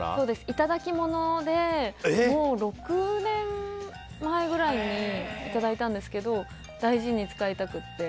いただきものでもう６年前ぐらいにいただいたんですけど大事に使いたくて。